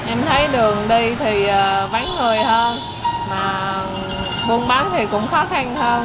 em thấy đường đi thì vắng người hơn mà buôn bán thì cũng khó khăn hơn